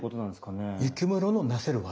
雪室のなせる業。